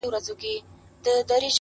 خدای به اسان کړي د دنیا مشکل کارونه